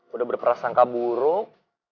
udah berperasangka buruk